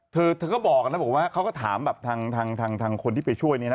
เธอก็บอกนะบอกว่าเขาก็ถามแบบทางคนที่ไปช่วยเนี่ยนะ